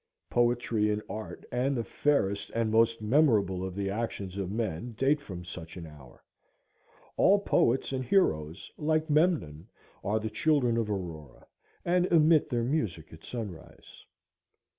Poetry and art, and the fairest and most memorable of the actions of men, date from such an hour. All poets and heroes, like Memnon, are the children of Aurora, and emit their music at sunrise.